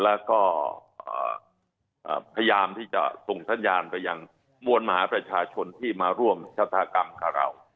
แล้วก็พยายามที่จะส่งสัญญาณไปยังมวลมหาประชาชนที่มาร่วมชะตากรรมกับเรา